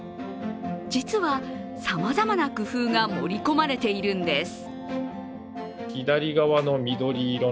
実は、さまざまな工夫が盛り込まれているんです。